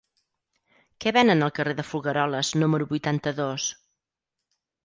Què venen al carrer de Folgueroles número vuitanta-dos?